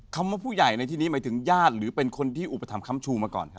ว่าผู้ใหญ่ในที่นี้หมายถึงญาติหรือเป็นคนที่อุปถัมชูมาก่อนครับ